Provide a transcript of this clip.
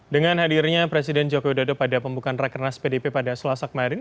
dengan hadirnya presiden joko widodo pada pembukaan rakernas pdp pada selasa kemarin